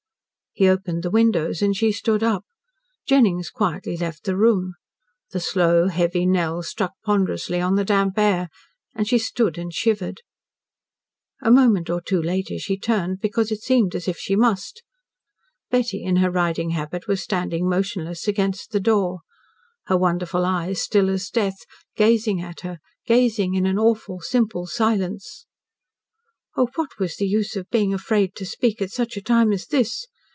He opened the windows, and she stood up. Jennings quietly left the room. The slow, heavy knell struck ponderously on the damp air, and she stood and shivered. A moment or two later she turned, because it seemed as if she must. Betty, in her riding habit, was standing motionless against the door, her wonderful eyes still as death, gazing at her, gazing in an awful, simple silence. Oh, what was the use of being afraid to speak at such a time as this?